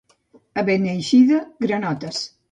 A Beneixida, granotes.